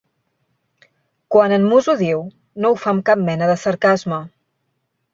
Quan en Moose ho diu, no ho fa amb cap mena de sarcasme.